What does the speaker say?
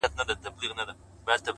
عاجزي د لویو انسانانو عادت دی.!